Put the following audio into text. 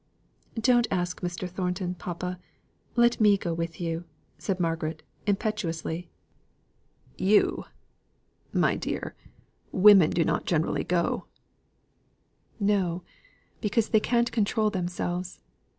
"Don't ask Mr. Thornton, papa. Let me go with you," said Margaret, impetuously. "You! My dear, women do not generally go." "No; because they can't control themselves.